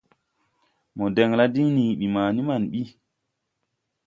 Mo dɛŋla diŋ nii ɓi ma ni man ɓi.